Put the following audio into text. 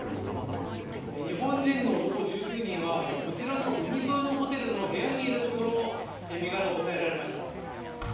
日本人の男１９人はこちらの海沿いのホテルの部屋にいるところ身柄を押さえられました。